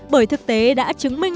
bởi thực tế đã chứng minh